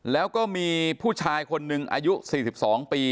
แล้วก็มีผู้ชายคนหนึ่งอายุ๔๒ปี